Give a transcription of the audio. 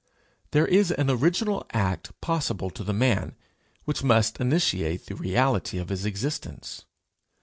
There is an original act possible to the man, which must initiate the reality of his existence.